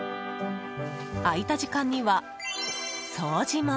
空いた時間には掃除も。